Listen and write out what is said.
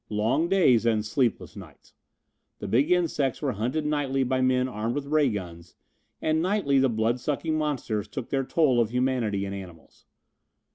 Long days and sleepless nights. The big insects were hunted nightly by men armed with ray guns, and nightly the blood sucking monsters took their toll of humanity and animals.